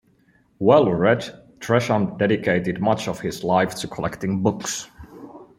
Well-read, Tresham dedicated much of his life to collecting books.